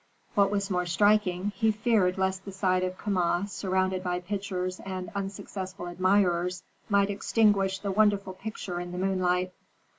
What was more striking, he feared lest the sight of Kama surrounded by pitchers and unsuccessful admirers might extinguish the wonderful picture in the moonlight.